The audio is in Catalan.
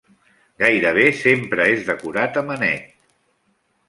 Gairebé sempre és decorat amb anet.